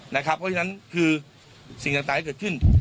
นะครับเพราะฉะนั้นคือสิ่งต่างจะเกิดขึ้น